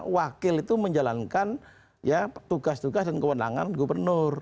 wakil itu menjalankan tugas tugas dan kewenangan gubernur